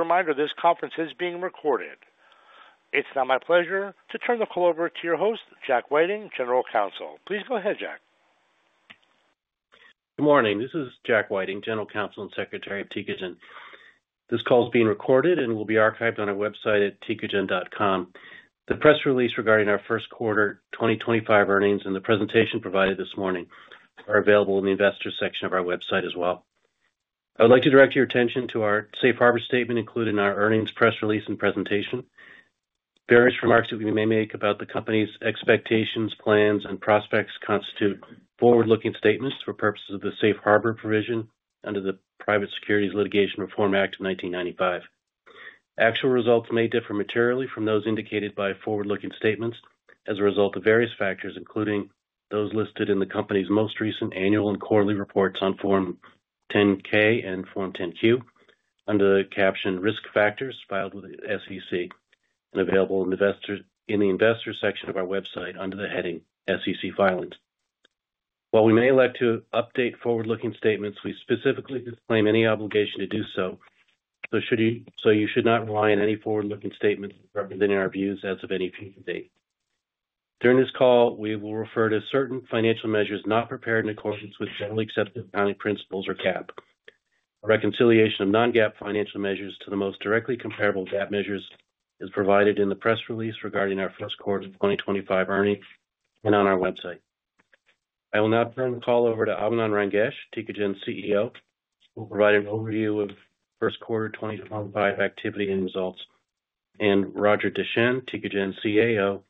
As a reminder, this conference is being recorded. It's now my pleasure to turn the call over to your host, Jack Whiting, General Counsel. Please go ahead, Jack. Good morning. This is Jack Whiting, General Counsel and Secretary of Tecogen. This call is being recorded and will be archived on our website at tecogen.com. The press release regarding our first quarter 2025 earnings and the presentation provided this morning are available in the investor section of our website as well. I would like to direct your attention to our safe harbor statement included in our earnings press release and presentation. Various remarks that we may make about the company's expectations, plans, and prospects constitute forward-looking statements for purposes of the safe harbor provision under the Private Securities Litigation Reform Act of 1995. Actual results may differ materially from those indicated by forward-looking statements as a result of various factors, including those listed in the company's most recent annual and quarterly reports on Form 10-K and Form 10-Q under the caption Risk Factors filed with the SEC and available in the investor section of our website under the heading SEC Filings. While we may elect to update forward-looking statements, we specifically disclaim any obligation to do so, so you should not rely on any forward-looking statements representing our views as of any future date. During this call, we will refer to certain financial measures not prepared in accordance with generally accepted accounting principles or GAAP. A reconciliation of non-GAAP financial measures to the most directly comparable GAAP measures is provided in the press release regarding our first quarter 2025 earnings and on our website. I will now turn the call over to Abinand Rangesh, Tecogen CEO, who will provide an overview of first quarter 2025 activity and results, and Roger Deschenes, Tecogen CAO,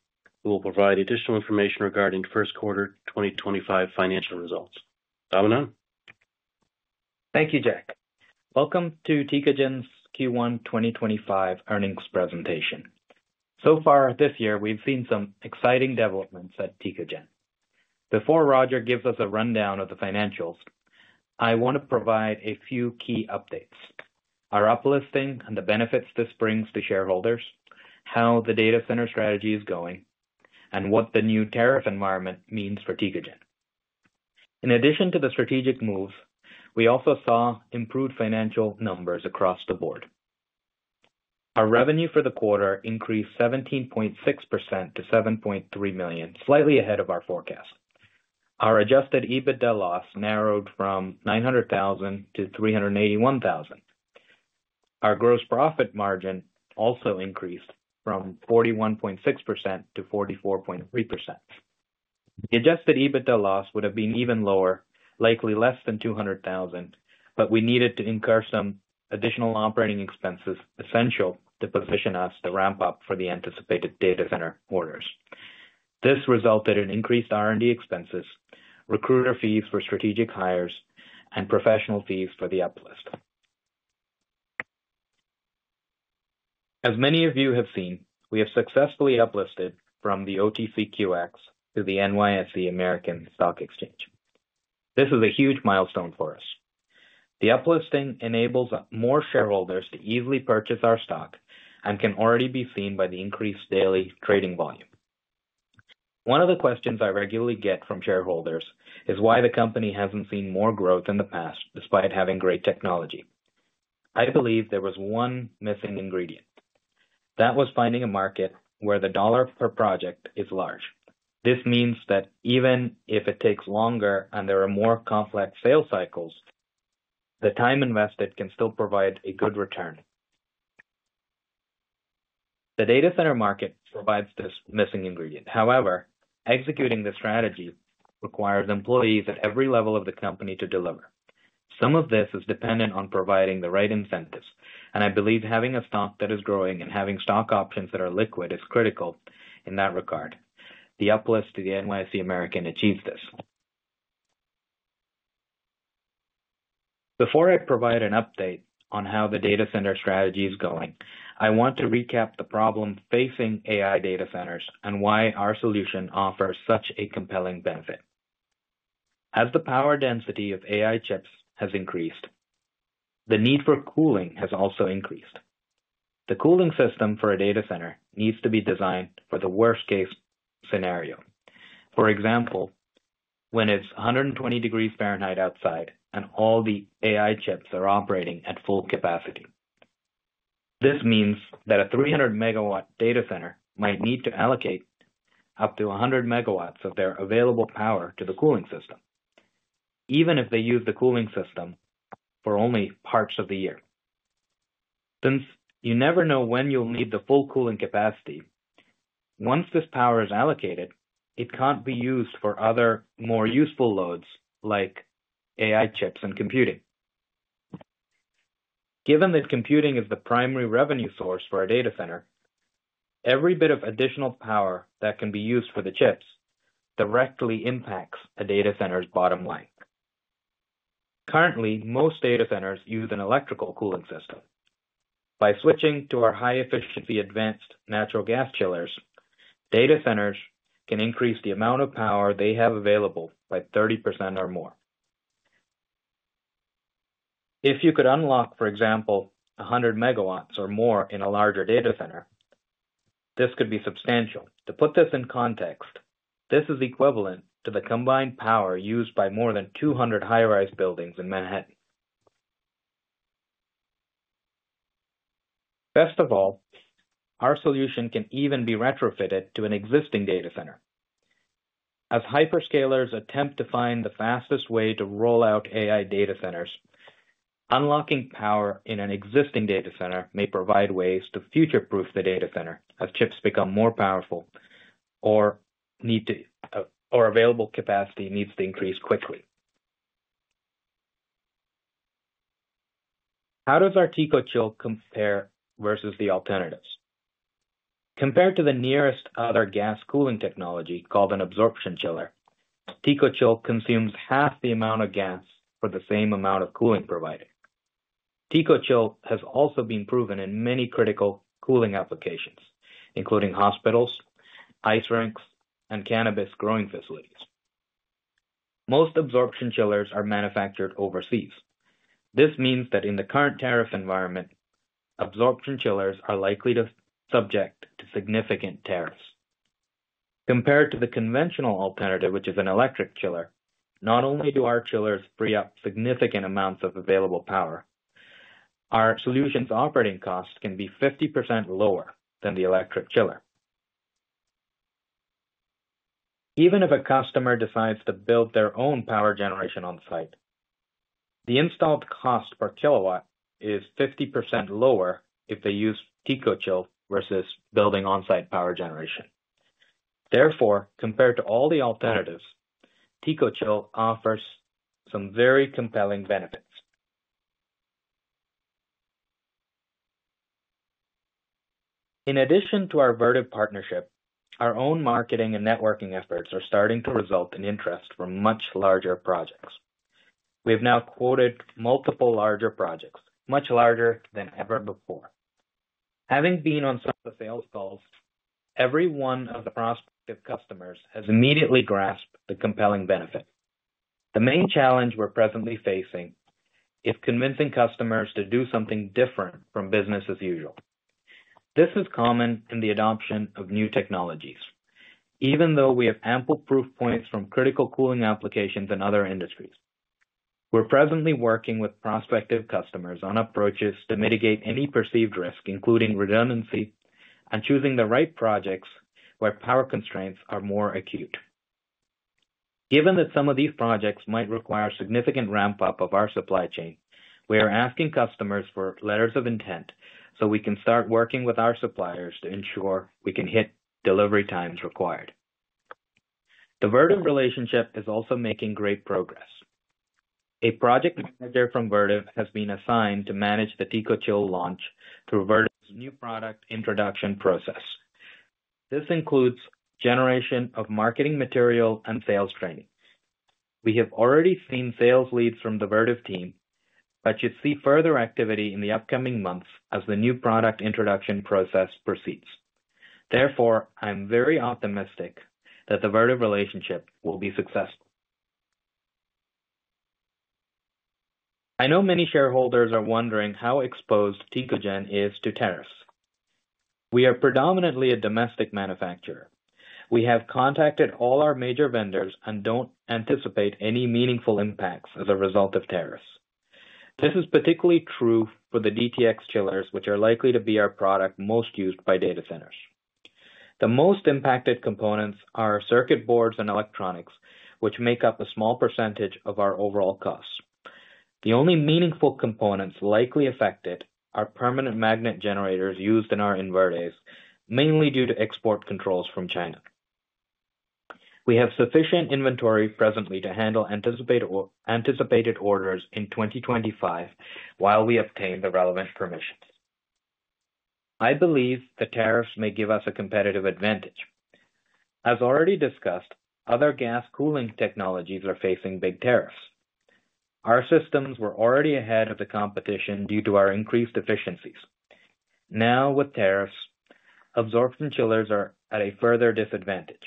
who will provide additional information regarding first quarter 2025 financial results. Abinand? Thank you, Jack. Welcome to Tecogen's Q1 2025 earnings presentation. So far this year, we've seen some exciting developments at Tecogen. Before Roger gives us a rundown of the financials, I want to provide a few key updates: our uplisting and the benefits this brings to shareholders, how the data center strategy is going, and what the new tariff environment means for Tecogen. In addition to the strategic moves, we also saw improved financial numbers across the board. Our revenue for the quarter increased 17.6% to $7.3 million, slightly ahead of our forecast. Our adjusted EBITDA loss narrowed from $900,000 to $381,000. Our gross profit margin also increased from 41.6% to 44.3%. The adjusted EBITDA loss would have been even lower, likely less than $200,000, but we needed to incur some additional operating expenses essential to position us to ramp up for the anticipated data center orders. This resulted in increased R&D expenses, recruiter fees for strategic hires, and professional fees for the uplist. As many of you have seen, we have successfully uplisted from the OTCQX to the NYSE American Stock Exchange. This is a huge milestone for us. The uplisting enables more shareholders to easily purchase our stock and can already be seen by the increased daily trading volume. One of the questions I regularly get from shareholders is why the company has not seen more growth in the past despite having great technology. I believe there was one missing ingredient. That was finding a market where the dollar per project is large. This means that even if it takes longer and there are more complex sales cycles, the time invested can still provide a good return. The data center market provides this missing ingredient. However, executing the strategy requires employees at every level of the company to deliver. Some of this is dependent on providing the right incentives, and I believe having a stock that is growing and having stock options that are liquid is critical in that regard. The uplist to the NYSE American achieved this. Before I provide an update on how the data center strategy is going, I want to recap the problem facing AI data centers and why our solution offers such a compelling benefit. As the power density of AI chips has increased, the need for cooling has also increased. The cooling system for a data center needs to be designed for the worst-case scenario. For example, when it is 120 °F outside and all the AI chips are operating at full capacity. This means that a 300 MW data center might need to allocate up to 100 MW of their available power to the cooling system, even if they use the cooling system for only parts of the year. Since you never know when you'll need the full cooling capacity, once this power is allocated, it can't be used for other more useful loads like AI chips and computing. Given that computing is the primary revenue source for a data center, every bit of additional power that can be used for the chips directly impacts a data center's bottom line. Currently, most data centers use an electrical cooling system. By switching to our high-efficiency advanced natural gas chillers, data centers can increase the amount of power they have available by 30% or more. If you could unlock, for example, 100 MW or more in a larger data center, this could be substantial. To put this in context, this is equivalent to the combined power used by more than 200 high-rise buildings in Manhattan. Best of all, our solution can even be retrofitted to an existing data center. As hyperscalers attempt to find the fastest way to roll out AI data centers, unlocking power in an existing data center may provide ways to future-proof the data center as chips become more powerful or available capacity needs to increase quickly. How does our TECOCHILL compare versus the alternatives? Compared to the nearest other gas cooling technology called an absorption chiller, TECOCHILL consumes half the amount of gas for the same amount of cooling provided. TECOCHILL has also been proven in many critical cooling applications, including hospitals, ice rinks, and cannabis growing facilities. Most absorption chillers are manufactured overseas. This means that in the current tariff environment, absorption chillers are likely to be subject to significant tariffs. Compared to the conventional alternative, which is an electric chiller, not only do our chillers free up significant amounts of available power, our solution's operating costs can be 50% lower than the electric chiller. Even if a customer decides to build their own power generation on-site, the installed cost per kilowatt is 50% lower if they use TECOCHILL versus building on-site power generation. Therefore, compared to all the alternatives, TECOCHILL offers some very compelling benefits. In addition to our Vertiv partnership, our own marketing and networking efforts are starting to result in interest for much larger projects. We have now quoted multiple larger projects, much larger than ever before. Having been on some of the sales calls, every one of the prospective customers has immediately grasped the compelling benefit. The main challenge we're presently facing is convincing customers to do something different from business as usual. This is common in the adoption of new technologies, even though we have ample proof points from critical cooling applications in other industries. We're presently working with prospective customers on approaches to mitigate any perceived risk, including redundancy, and choosing the right projects where power constraints are more acute. Given that some of these projects might require significant ramp-up of our supply chain, we are asking customers for letters of intent so we can start working with our suppliers to ensure we can hit delivery times required. The Vertiv relationship is also making great progress. A project manager from Vertiv has been assigned to manage the TECOCHILL launch through Vertiv's new product introduction process. This includes generation of marketing material and sales training. We have already seen sales leads from the Vertiv team, but should see further activity in the upcoming months as the new product introduction process proceeds. Therefore, I'm very optimistic that the Vertiv relationship will be successful. I know many shareholders are wondering how exposed Tecogen is to tariffs. We are predominantly a domestic manufacturer. We have contacted all our major vendors and don't anticipate any meaningful impacts as a result of tariffs. This is particularly true for the DTX chillers, which are likely to be our product most used by data centers. The most impacted components are circuit boards and electronics, which make up a small percentage of our overall costs. The only meaningful components likely affected are permanent magnet generators used in our inverters, mainly due to export controls from China. We have sufficient inventory presently to handle anticipated orders in 2025 while we obtain the relevant permissions. I believe the tariffs may give us a competitive advantage. As already discussed, other gas cooling technologies are facing big tariffs. Our systems were already ahead of the competition due to our increased efficiencies. Now, with tariffs, absorption chillers are at a further disadvantage.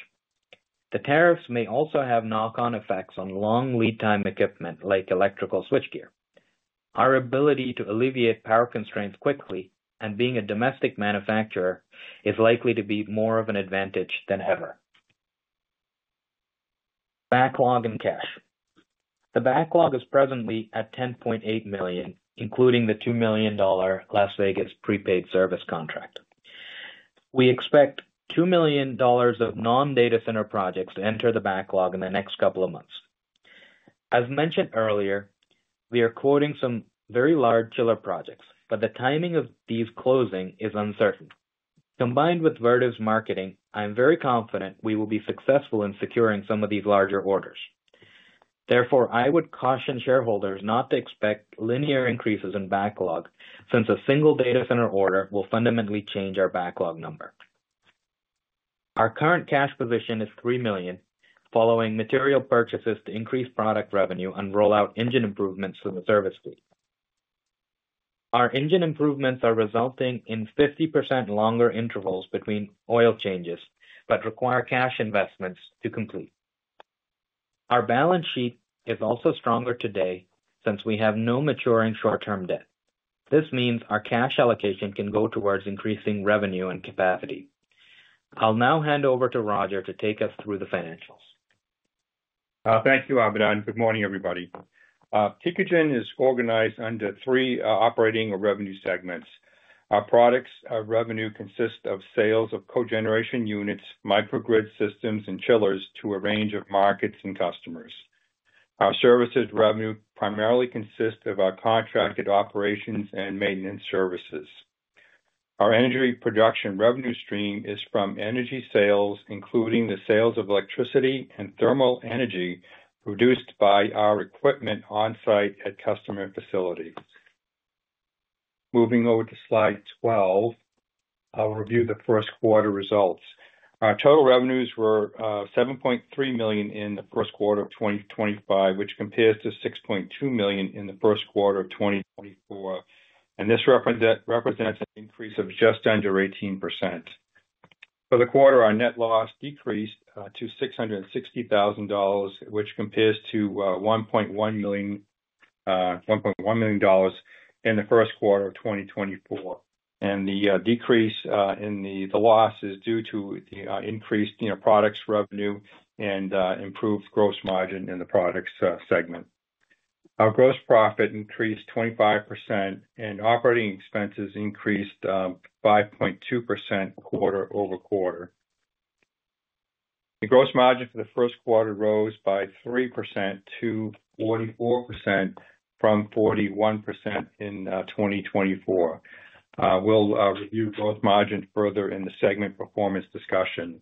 The tariffs may also have knock-on effects on long lead-time equipment like electrical switchgear. Our ability to alleviate power constraints quickly and being a domestic manufacturer is likely to be more of an advantage than ever. Backlog and cash. The backlog is presently at $10.8 million, including the $2 million Las Vegas prepaid service contract. We expect $2 million of non-data center projects to enter the backlog in the next couple of months. As mentioned earlier, we are quoting some very large chiller projects, but the timing of these closing is uncertain. Combined with Vertiv's marketing, I'm very confident we will be successful in securing some of these larger orders. Therefore, I would caution shareholders not to expect linear increases in backlog since a single data center order will fundamentally change our backlog number. Our current cash position is $3 million, following material purchases to increase product revenue and roll out engine improvements to the service fleet. Our engine improvements are resulting in 50% longer intervals between oil changes, but require cash investments to complete. Our balance sheet is also stronger today since we have no maturing short-term debt. This means our cash allocation can go towards increasing revenue and capacity. I'll now hand over to Roger to take us through the financials. Thank you, Abinand. Good morning, everybody. Tecogen is organized under three operating or revenue segments. Our products of revenue consist of sales of cogeneration units, microgrid systems, and chillers to a range of markets and customers. Our services revenue primarily consists of our contracted operations and maintenance services. Our energy production revenue stream is from energy sales, including the sales of electricity and thermal energy produced by our equipment on-site at customer facilities. Moving over to slide 12, I'll review the first quarter results. Our total revenues were $7.3 million in the first quarter of 2025, which compares to $6.2 million in the first quarter of 2024. This represents an increase of just under 18%. For the quarter, our net loss decreased to $660,000, which compares to $1.1 million in the first quarter of 2024. The decrease in the loss is due to the increase in our products revenue and improved gross margin in the products segment. Our gross profit increased 25%, and operating expenses increased 5.2% quarter over quarter. The gross margin for the first quarter rose by 3% to 44% from 41% in 2024. We'll review gross margin further in the segment performance discussion.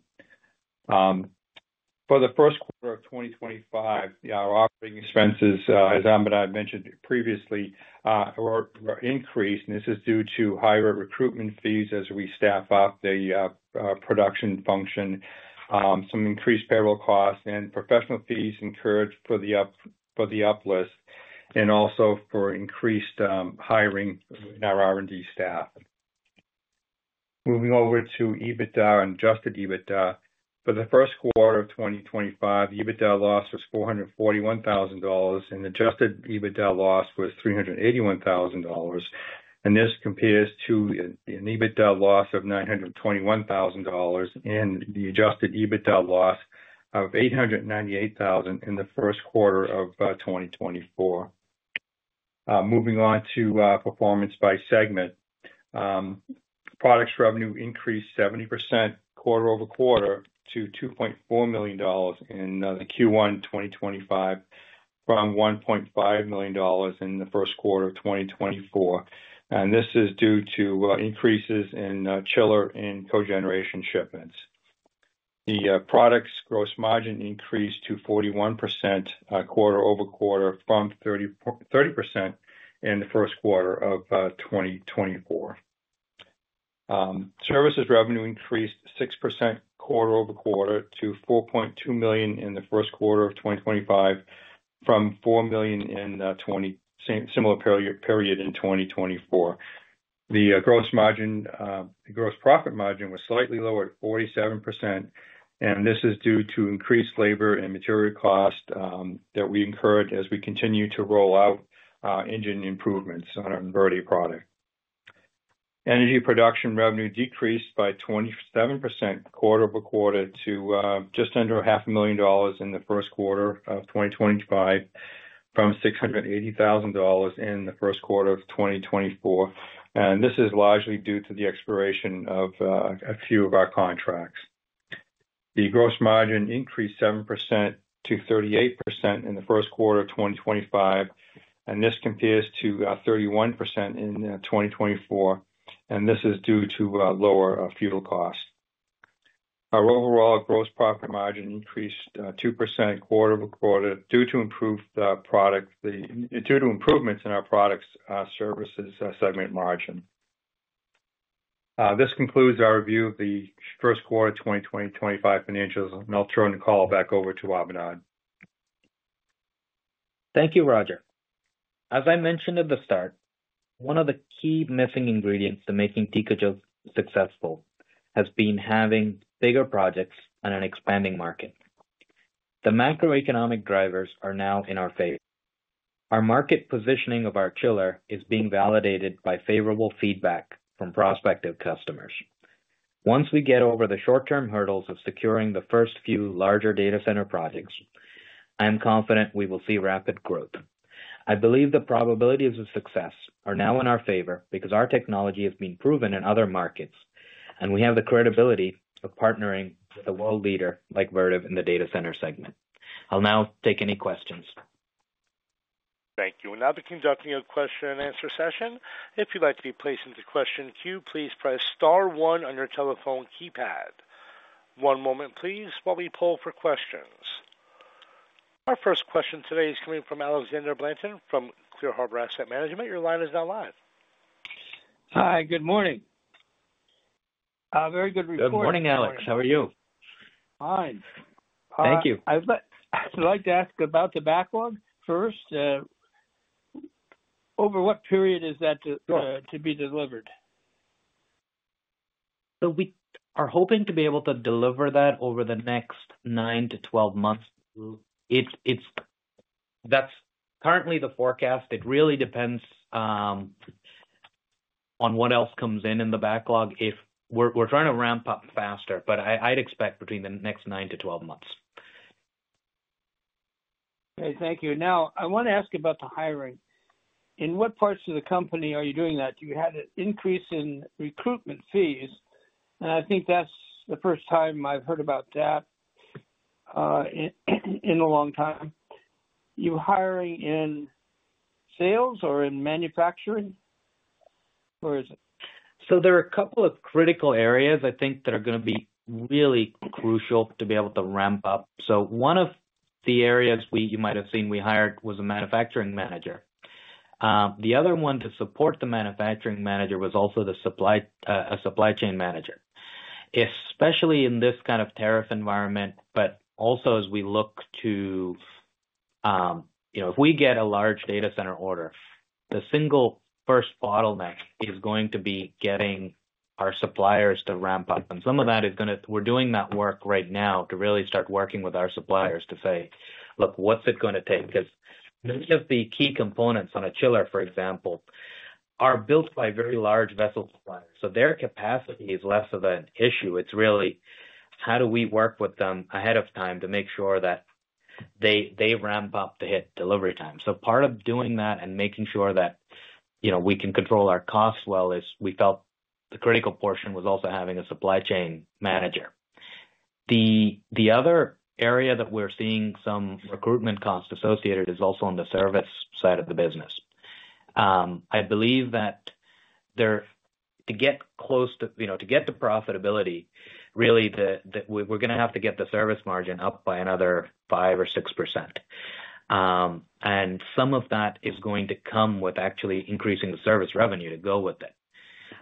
For the first quarter of 2025, our operating expenses, as Abinand mentioned previously, were increased. This is due to higher recruitment fees as we staff up the production function, some increased payroll costs, and professional fees incurred for the uplist, and also for increased hiring in our R&D staff. Moving over to EBITDA and adjusted EBITDA. For the first quarter of 2025, EBITDA loss was $441,000, and adjusted EBITDA loss was $381,000. This compares to an EBITDA loss of $921,000 and the adjusted EBITDA loss of $898,000 in the first quarter of 2024. Moving on to performance by segment, products revenue increased 70% quarter over quarter to $2.4 million in Q1 2025 from $1.5 million in the first quarter of 2024. This is due to increases in chiller and cogeneration shipments. The products gross margin increased to 41% quarter over quarter from 30% in the first quarter of 2024. Services revenue increased 6% quarter over quarter to $4.2 million in the first quarter of 2025 from $4 million in the similar period in 2024. The gross profit margin was slightly lower at 47%, and this is due to increased labor and material costs that we incurred as we continue to roll out engine improvements on our Vertiv product. Energy production revenue decreased by 27% quarter over quarter to just under $500,000 in the first quarter of 2025 from $680,000 in the first quarter of 2024. This is largely due to the expiration of a few of our contracts. The gross margin increased 7% to 38% in the first quarter of 2025, which compares to 31% in 2024. This is due to lower fuel costs. Our overall gross profit margin increased 2% quarter over quarter due to improvements in our products services segment margin. This concludes our review of the first quarter 2025 financials. I'll turn the call back over to Abinand. Thank you, Roger. As I mentioned at the start, one of the key missing ingredients to making TECOCHILL successful has been having bigger projects and an expanding market. The macroeconomic drivers are now in our favor. Our market positioning of our chiller is being validated by favorable feedback from prospective customers. Once we get over the short-term hurdles of securing the first few larger data center projects, I'm confident we will see rapid growth. I believe the probabilities of success are now in our favor because our technology has been proven in other markets, and we have the credibility of partnering with a world leader like Vertiv in the data center segment. I'll now take any questions. Thank you. Now begin jumping into the question and answer session. If you'd like to be placed into the question queue, please press star one on your telephone keypad. One moment, please, while we pull for questions. Our first question today is coming from Alexander Blanton from Clear Harbor Asset Management. Your line is now live. Hi, good morning. Very good report. Good morning, Alex. How are you? Fine. Thank you. I'd like to ask about the backlog first. Over what period is that to be delivered? We are hoping to be able to deliver that over the next 9-12 months. That's currently the forecast. It really depends on what else comes in in the backlog. We're trying to ramp up faster, but I'd expect between the next 9-12 months. Okay, thank you. Now, I want to ask about the hiring. In what parts of the company are you doing that? You had an increase in recruitment fees, and I think that's the first time I've heard about that in a long time. You're hiring in sales or in manufacturing? There are a couple of critical areas, I think, that are going to be really crucial to be able to ramp up. One of the areas you might have seen we hired was a manufacturing manager. The other one to support the manufacturing manager was also a supply chain manager, especially in this kind of tariff environment. Also, as we look to, you know, if we get a large data center order, the single first bottleneck is going to be getting our suppliers to ramp up. Some of that is going to, we're doing that work right now to really start working with our suppliers to say, look, what's it going to take? Because many of the key components on a chiller, for example, are built by very large vessel suppliers. Their capacity is less of an issue. It's really how do we work with them ahead of time to make sure that they ramp up to hit delivery time. Part of doing that and making sure that, you know, we can control our costs well is we felt the critical portion was also having a supply chain manager. The other area that we're seeing some recruitment costs associated is also on the service side of the business. I believe that to get close to, you know, to get the profitability, really, we're going to have to get the service margin up by another 5% or 6%. Some of that is going to come with actually increasing the service revenue to go with it.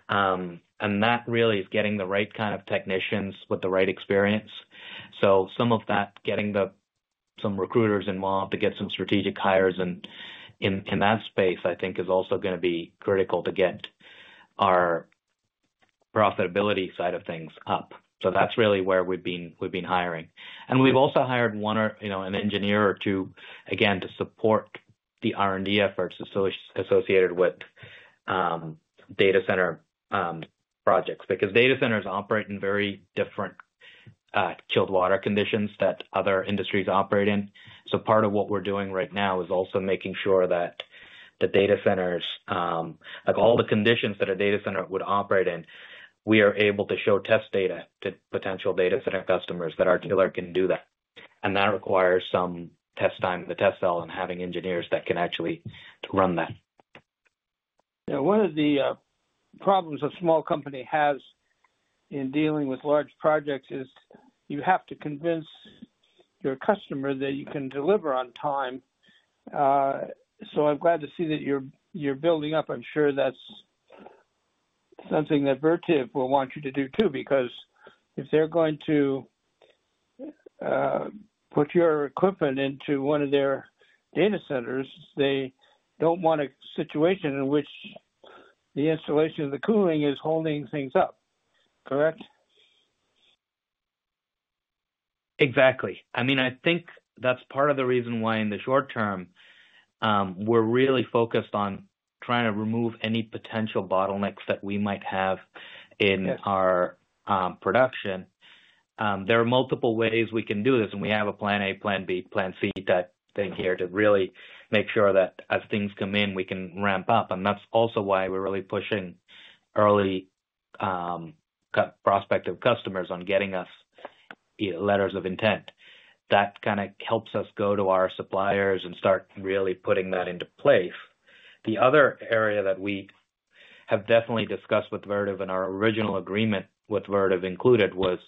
That really is getting the right kind of technicians with the right experience. Some of that, getting some recruiters involved to get some strategic hires in that space, I think, is also going to be critical to get our profitability side of things up. That is really where we have been hiring. We have also hired one or, you know, an engineer or two, again, to support the R&D efforts associated with data center projects because data centers operate in very different chilled water conditions that other industries operate in. Part of what we are doing right now is also making sure that the data centers, like all the conditions that a data center would operate in, we are able to show test data to potential data center customers that our chiller can do that. That requires some test time in the test cell and having engineers that can actually run that. Yeah, one of the problems a small company has in dealing with large projects is you have to convince your customer that you can deliver on time. I am glad to see that you are building up. I am sure that is something that Vertiv will want you to do too, because if they are going to put your equipment into one of their data centers, they do not want a situation in which the installation of the cooling is holding things up, correct? Exactly. I mean, I think that's part of the reason why in the short term, we're really focused on trying to remove any potential bottlenecks that we might have in our production. There are multiple ways we can do this, and we have a plan A, plan B, plan C type thing here to really make sure that as things come in, we can ramp up. That is also why we're really pushing early prospective customers on getting us letters of intent. That kind of helps us go to our suppliers and start really putting that into place. The other area that we have definitely discussed with Vertiv and our original agreement with Vertiv included was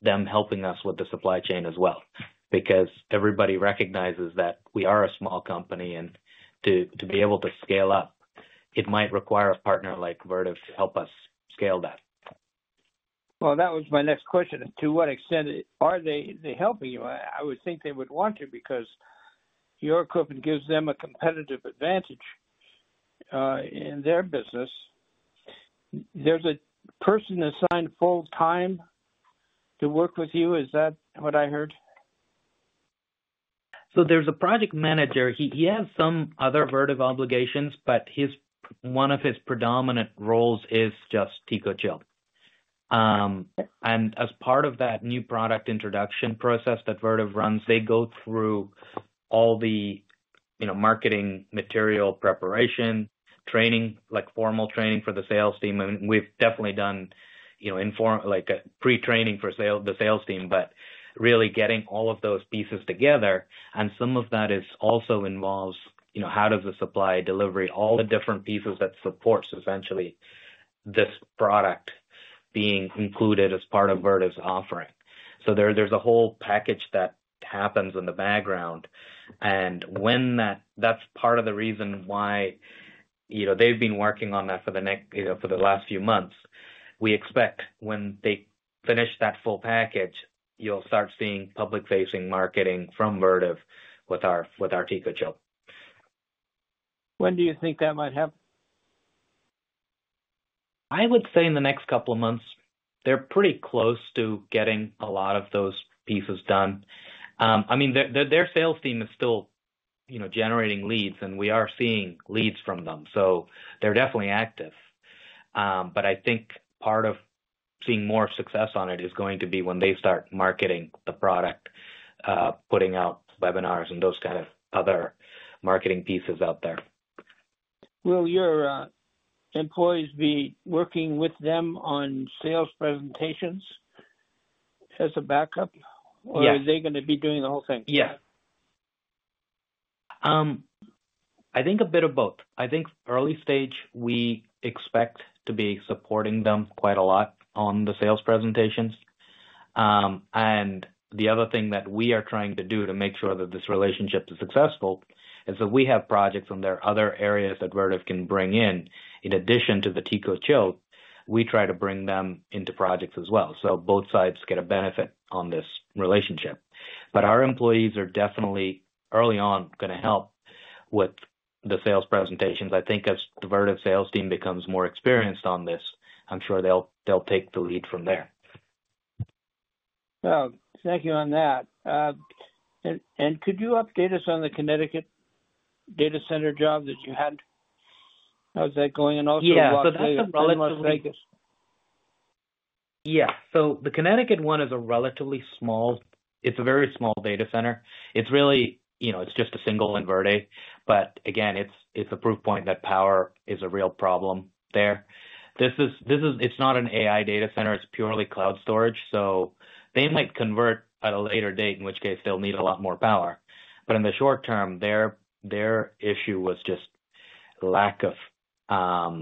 them helping us with the supply chain as well, because everybody recognizes that we are a small company and to be able to scale up, it might require a partner like Vertiv to help us scale that. That was my next question. To what extent are they helping you? I would think they would want to because your equipment gives them a competitive advantage in their business. There's a person assigned full time to work with you. Is that what I heard? There's a project manager. He has some other Vertiv obligations, but one of his predominant roles is just TECOCHILL. As part of that new product introduction process that Vertiv runs, they go through all the marketing material preparation, training, like formal training for the sales team. We've definitely done pre-training for the sales team, but really getting all of those pieces together. Some of that also involves how does the supply delivery, all the different pieces that support essentially this product being included as part of Vertiv's offering. There's a whole package that happens in the background. That's part of the reason why they've been working on that for the last few months. We expect when they finish that full package, you'll start seeing public-facing marketing from Vertiv with our TECOCHILL. When do you think that might happen? I would say in the next couple of months, they're pretty close to getting a lot of those pieces done. I mean, their sales team is still generating leads, and we are seeing leads from them. They're definitely active. I think part of seeing more success on it is going to be when they start marketing the product, putting out webinars and those kind of other marketing pieces out there. Will your employees be working with them on sales presentations as a backup, or are they going to be doing the whole thing? Yeah. I think a bit of both. I think early stage, we expect to be supporting them quite a lot on the sales presentations. The other thing that we are trying to do to make sure that this relationship is successful is that we have projects on their other areas that Vertiv can bring in. In addition to the TECOCHILL, we try to bring them into projects as well. Both sides get a benefit on this relationship. Our employees are definitely early on going to help with the sales presentations. I think as the Vertiv sales team becomes more experienced on this, I'm sure they'll take the lead from there. Thank you on that. Could you update us on the Connecticut data center job that you had? How's that going? Also about the relative size. Yeah. The Connecticut one is a relatively small, it's a very small data center. It's really, you know, it's just a single in Vertiv. Again, it's a proof point that power is a real problem there. It's not an AI data center. It's purely cloud storage. They might convert at a later date, in which case they'll need a lot more power. In the short term, their issue was just lack of,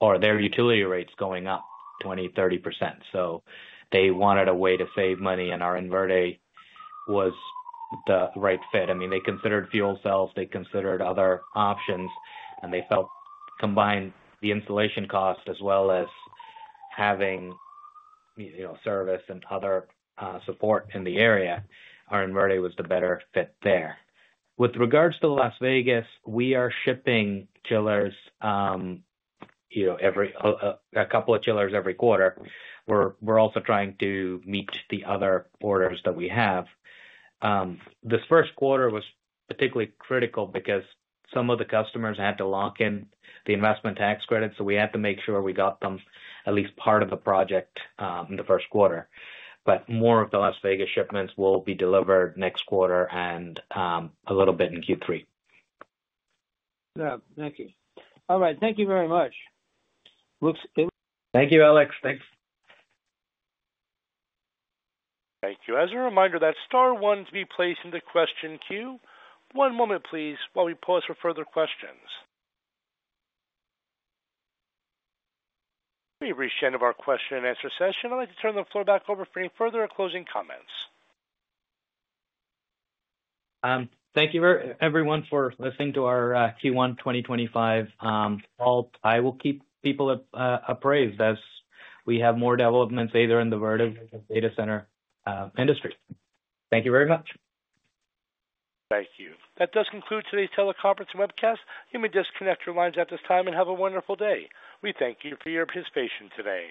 or their utility rates going up 20%-30%. They wanted a way to save money, and our InVerde was the right fit. I mean, they considered fuel cells, they considered other options, and they felt combined the installation cost as well as having service and other support in the area, our InVerde was the better fit there. With regards to Las Vegas, we are shipping chillers, you know, a couple of chillers every quarter. We're also trying to meet the other orders that we have. This first quarter was particularly critical because some of the customers had to lock in the investment tax credits. We had to make sure we got them at least part of the project in the first quarter. More of the Las Vegas shipments will be delivered next quarter and a little bit in Q3. Yeah, thank you. All right, thank you very much. Thank you, Alex. Thanks. Thank you. As a reminder, that star one to be placed in the question queue. One moment, please, while we pause for further questions. We reached the end of our question and answer session. I'd like to turn the floor back over for any further closing comments. Thank you, everyone, for listening to our Q1 2025 call. I will keep people appraised as we have more developments either in the Vertiv data center industry. Thank you very much. Thank you. That does conclude today's teleconference webcast. You may disconnect your lines at this time and have a wonderful day. We thank you for your participation today.